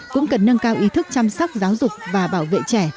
cũng cần nâng cao ý thức chăm sóc giáo dục và bảo vệ trẻ